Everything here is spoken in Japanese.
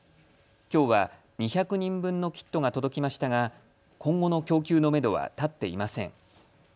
きょうは２００人分のキットが届きましたが今後の供給のめどは立っていません。